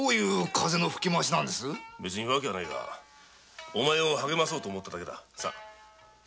別に訳はないがお前を励まそうと思っただけだ。